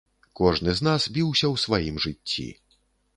Кожны з нас біўся ў сваім жыцці.